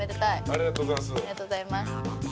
ありがとうございます。